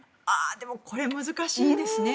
でもこれ難しいですよね。